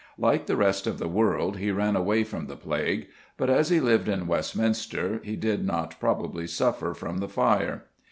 Like the rest of the world, he ran away from the plague; but, as he lived in Westminster, he did not probably suffer from the fire.